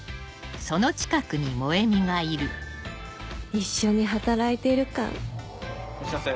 一緒に働いてる感いらっしゃいませ。